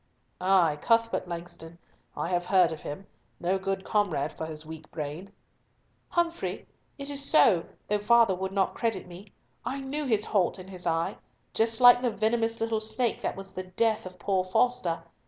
"Ay, Cuthbert Langston. I have heard of him. No good comrade for his weak brain." "Humfrey, it is so, though father would not credit me. I knew his halt and his eye—just like the venomous little snake that was the death, of poor Foster.